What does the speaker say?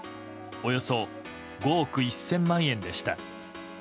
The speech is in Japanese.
およそ５億１０００万円でした。